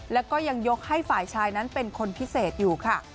แล้วก็ยังยกให้ฝ่ายชายนั้นเป็นคนพิเศษอยู่ค่ะ